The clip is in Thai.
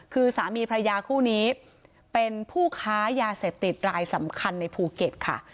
คือสามีพระยาคู่นี้เป็นผู้ค้ายาเสพติดรายสำคัญในภูเก็ตค่ะ